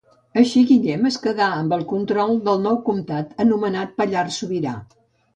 Així Guillem es quedà amb el control del nou comtat anomenat Pallars Sobirà.